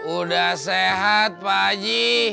udah sehat pak haji